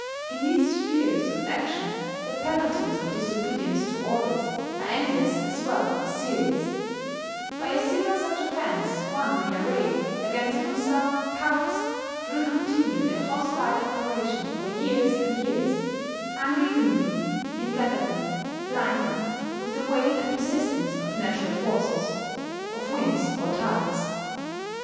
In these spheres of action the penalties of disobedience to orders are endless as well as serious: by a single such offence one may array against oneself powers that will continue their hostile operation for years and years, unreasoningly, implacably, blindly, with the weight and persistence of natural forces, of winds or tides.